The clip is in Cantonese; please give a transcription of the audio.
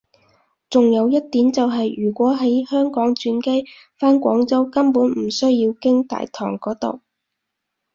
仲有一點就係如果喺香港轉機返廣州根本唔需要經大堂嗰度